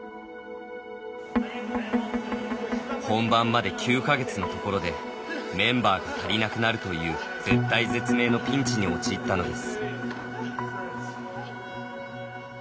本番まで９か月のところでメンバーが足りなくなるという絶対絶命のピンチに陥ったのです。